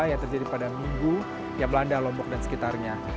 yang terjadi pada minggu yang melanda lombok dan sekitarnya